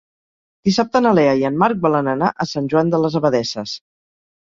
Dissabte na Lea i en Marc volen anar a Sant Joan de les Abadesses.